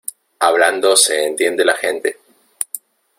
Hablando se entiende la gente.